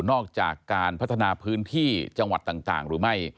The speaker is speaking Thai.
ออกจากการพัฒนาพื้นที่จังหวัดต่างหรือไม่